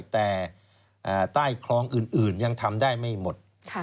แต่ใต้คลองอื่นยังทำได้ไม่หมด